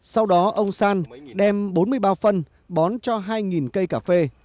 sau đó ông san đem bốn mươi bao phân bón cho hai cây cà phê